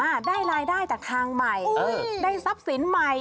ได้รายได้จากทางใหม่เอ้ยได้ทรัพย์สินใหม่